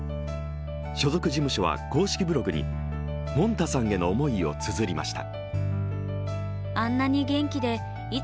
所属事務所は公式ブログにもんたさんへの思いをつづりました。